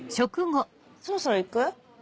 そろそろ行く？